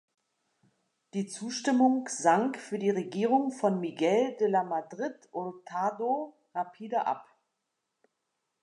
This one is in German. Die Zustimmung sank für die Regierung von Miguel de la Madrid Hurtado rapide ab.